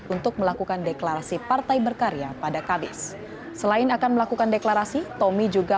untuk melakukan deklarasi partai berkarya pada kamis selain akan melakukan deklarasi tommy juga